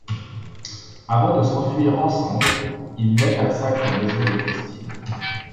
Avant de s'enfuir ensemble, ils mettent à sac la maison de Christine.